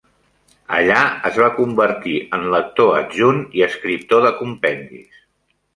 Allà es va convertir en lector adjunt i escriptor de compendis.